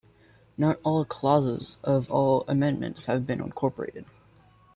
Not all clauses of all amendments have been incorporated.